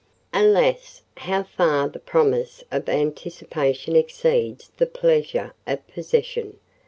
Alas! how far the promise of anticipation exceeds the pleasure of possession!